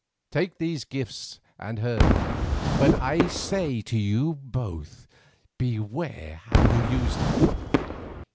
Take these gifts and her, but I say to you both, beware how you use them.